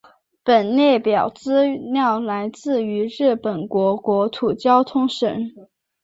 本列表资料来自于日本国国土交通省。